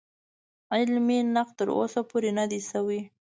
علمي نقد تر اوسه پورې نه دی شوی.